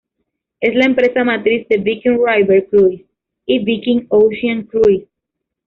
Es la empresa matriz de Viking River Cruises y Viking Ocean Cruises.